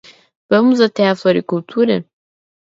Vamos até a floricultura?